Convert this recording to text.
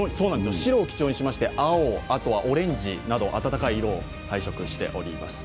白を基調にしまして、青、あとはオレンジなど暖かい色を配色しております。